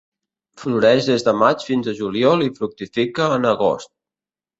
Floreix des de maig fins a juliol i fructifica en agost.